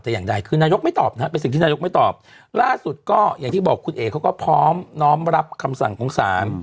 แต่อย่างใดคือนายกไม่ตอบนะฮะเป็นสิ่งที่นายกไม่ตอบล่าสุดก็อย่างที่บอกคุณเอกเขาก็พร้อมน้อมรับคำสั่งของศาล